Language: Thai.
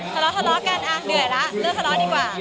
ทะเลาะทะเลาะกันเหนื่อยแล้วเลิกทะเลาะดีกว่า